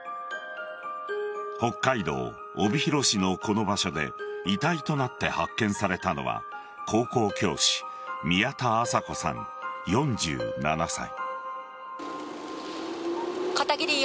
北海道帯広市のこの場所で遺体となって発見されたのは高校教師・宮田麻子さん、４７歳。